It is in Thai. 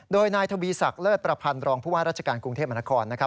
โดยนายทวีศักดิ์เลิศประพันธ์รองผู้ว่าราชการกรุงเทพมหานคร